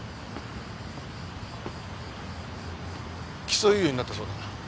起訴猶予になったそうだな。